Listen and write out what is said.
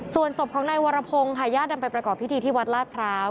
ส่วนศพของนายวรพงศ์ค่ะญาตินำไปประกอบพิธีที่วัดลาดพร้าว